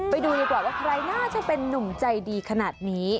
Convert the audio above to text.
ไปดูดีกว่าว่าใครน่าจะเป็นนุ่มใจดีขนาดนี้